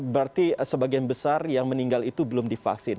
berarti sebagian besar yang meninggal itu belum divaksin